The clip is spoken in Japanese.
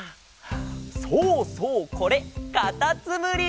そうそうこれかたつむり！